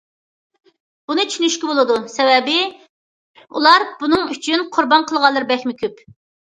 بۇنى چۈشىنىشكە بولىدۇ، سەۋەبى، ئۇلار بۇنىڭ ئۈچۈن قۇربان قىلغانلىرى بەكمۇ كۆپ.